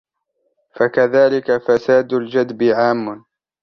فَكَذَلِكَ فَسَادُ الْجَدْبِ عَامٌّ